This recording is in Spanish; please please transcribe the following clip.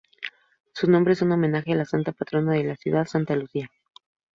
Su nombre es un homenaje a la santa patrona de la ciudad, Santa Lúcia.